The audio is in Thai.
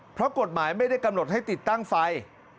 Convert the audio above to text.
เพราะกฎหมายไม่ได้กำหนดให้ติดตั้งไฟ